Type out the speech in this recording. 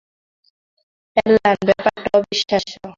Alan, ব্যাপারটা অবিশ্বাস্য।